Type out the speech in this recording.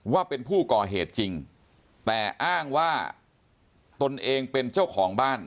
ว่าเป็นผู้ก่อเหตุจริงแต่อ้างว่าตนเองเป็นเจ้าของบ้าน